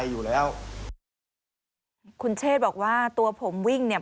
อยู่แล้วคุณเชษบอกว่าตัวผมวิ่งเนี่ย